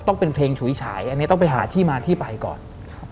ต้องเป็นเพลงฉุยฉายอันนี้ต้องไปหาที่มาที่ไปก่อน